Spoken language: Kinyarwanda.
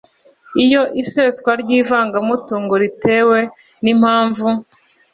Iyo iseswa ry ivangamutungo ritewe n impamvu